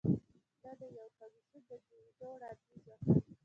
ده د یو کمېسیون د جوړېدو وړاندیز وکړ.